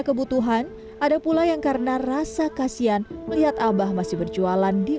kebutuhan ada pula yang karena rasa kasihan melihat abah masih berjualan di